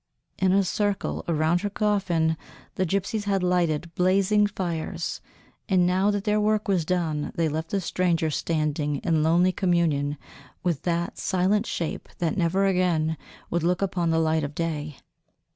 In a circle around her coffin the gypsies had lighted blazing fires, and now that their work was done they left the stranger standing in lonely communion with that silent shape that never again would look upon the light of day.